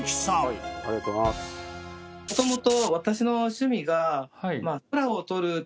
もともと。